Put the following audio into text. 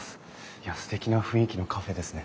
いやすてきな雰囲気のカフェですね。